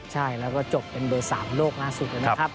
ใช่แล้วก็จบเป็นเบอร์๓ของโลกล่าสุดเลยนะครับ